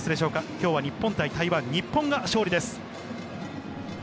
今日は日本対台湾、日本が勝利です。